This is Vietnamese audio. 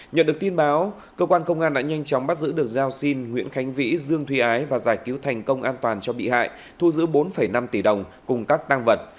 nhận được tin báo cơ quan công an đã nhanh chóng bắt giữ được giao xin nguyễn khánh vĩ dương thúy ái và giải cứu thành công an toàn cho bị hại thu giữ bốn năm tỷ đồng cùng các tăng vật